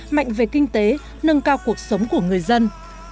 mạnh về kinh tế nâng cao cuộc sống của người dân